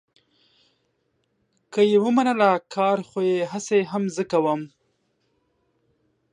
که یې ومنله، کار خو یې هسې هم زه کوم.